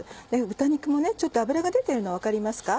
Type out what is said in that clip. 豚肉もちょっと脂が出てるの分かりますか？